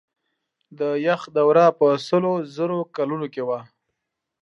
د یخ دوره په سلو زرو کلونو کې وه.